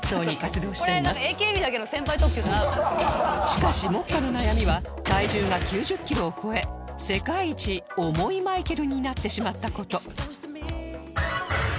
しかし目下の悩みは体重が９０キロを超え世界一重いマイケルになってしまった事